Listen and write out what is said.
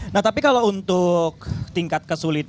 nah tapi kalau untuk tingkat kesulitan